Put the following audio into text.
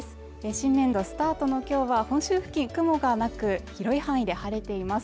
新年度スタートの今日は本州付近雲がなく、広い範囲で晴れています。